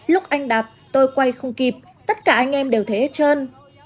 lúc anh đạp tôi quay không kịp tất cả anh em đều thấy hết trơn